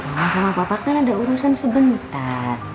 sama papa kan ada urusan sebentar